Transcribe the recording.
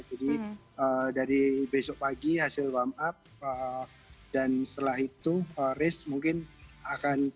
jadi dari besok pagi hasil warm up dan setelah itu race mungkin akan berhasil